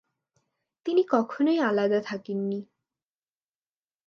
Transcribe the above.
তিনি কখনোই আলাদা থাকেননি।